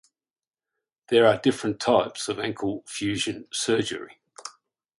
There are different types of ankle fusion surgery.